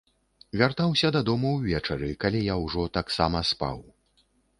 Вяртаўся дадому ўвечары, калі я ўжо таксама спаў.